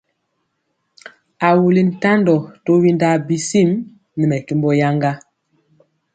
A wuli ntandɔ to windaa bisim nɛ mɛkembɔ yaŋga.